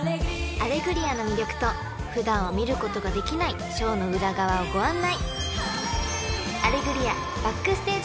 ［『アレグリア』の魅力と普段は見ることができないショーの裏側をご案内！］